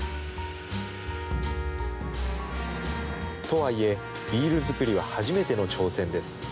とはいえ、ビール作りは初めての挑戦です。